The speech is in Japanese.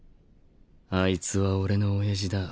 あいつは俺の親父だ。